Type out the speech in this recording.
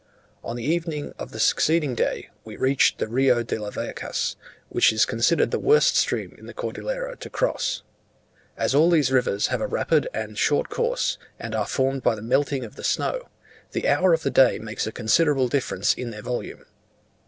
On the evening of the succeeding day, we reached the Rio de las Vacas, which is considered the worst stream in the Cordillera to cross. As all these rivers have a rapid and short course, and are formed by the melting of the snow, the hour of the day makes a considerable difference in their volume.